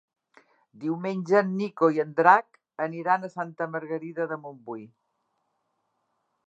Diumenge en Nico i en Drac aniran a Santa Margarida de Montbui.